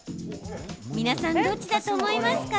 皆さん、どっちだと思いますか？